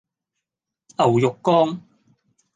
牛肉乾